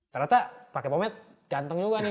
ternyata pakai pomed jantung juga nih